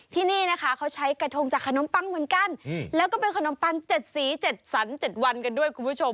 ที่นี่นะคะเขาใช้กระทงจากขนมปังเหมือนกันแล้วก็เป็นขนมปัง๗สี๗สัน๗วันกันด้วยคุณผู้ชม